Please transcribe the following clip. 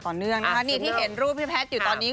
ต่อเนื่องนะคะนี่ที่เห็นรูปพี่แพทย์อยู่ตอนนี้